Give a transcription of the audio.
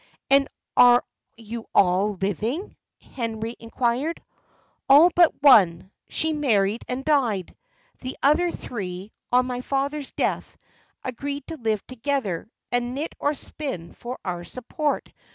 "And are you all living?" Henry inquired. "All but one: she married and died. The other three, on my father's death, agreed to live together, and knit or spin for our support.